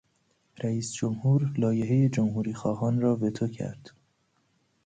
رئیس جمهور لایحهی جمهوری خواهان را وتو کرد.